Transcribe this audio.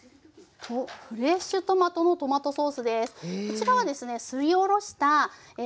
フレッシュトマトのトマトソースです。